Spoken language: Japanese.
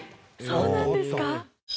そうなんですか？